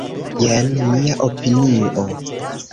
Jen mia opinio.